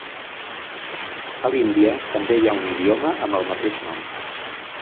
A l'Índia també hi ha un idioma amb el mateix nom.